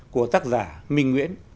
của tác giả minh nguyễn